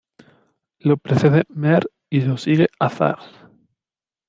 Lo precede mehr y lo sigue azar.